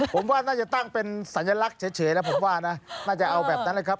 ผมว่าน่าจะตั้งเป็นสัญลักษณ์เฉยแล้วผมว่านะน่าจะเอาแบบนั้นนะครับ